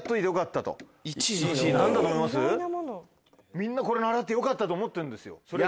みんなこれ習ってよかったと思ってるんですよ。